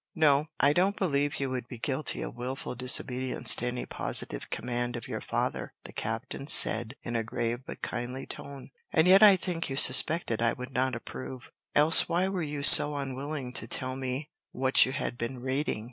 "No, I don't believe you would be guilty of wilful disobedience to any positive command of your father," the captain said in a grave but kindly tone; "and yet I think you suspected I would not approve, else why were you so unwilling to tell me what you had been reading?"